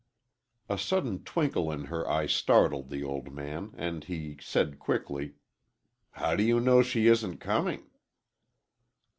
A sudden twinkle in her eye startled the old man, and he said quickly, "How do you know she isn't coming?"